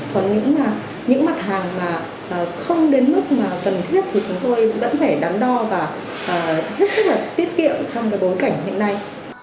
còn những mặt hàng mà không đến mức mà cần thiết thì chúng tôi vẫn phải đắn đo và hết sức tiết kiệm trong bối cảnh hiện nay